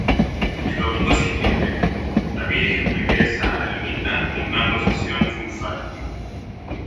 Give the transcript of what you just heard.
El domingo siguiente, la Virgen regresa a la ermita en una procesión triunfal.